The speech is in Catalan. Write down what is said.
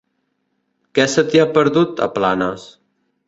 Què se t'hi ha perdut, a Planes?